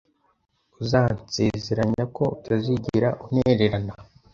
Uzansezeranya ko utazigera untererana?